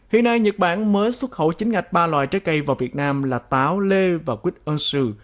hiện nay nhật bản mới xuất khẩu chính ngạch ba loại trái cây vào việt nam là táo lê và quýt unsu